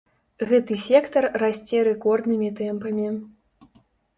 Гэты сектар расце рэкорднымі тэмпамі.